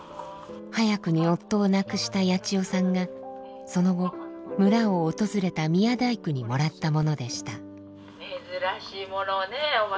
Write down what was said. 早くに夫を亡くしたヤチヨさんがその後村を訪れた宮大工にもらったものでした。